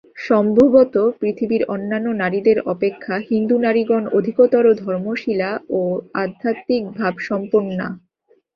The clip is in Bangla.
সম্ভবত পৃথিবীর অন্যান্য নারীদের অপেক্ষা হিন্দু নারীগণ অধিকতর ধর্মশীলা ও আধ্যাত্মিকভাবসম্পন্না।